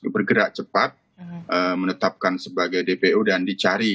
bergerak cepat menetapkan sebagai dpo dan dicari